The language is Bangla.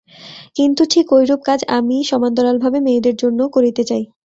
কিন্তু ঠিক ঐরূপ কাজ আমি সমান্তরালভাবে মেয়েদের জন্যও করিতে চাই।